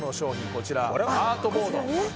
こちらアートボードあっ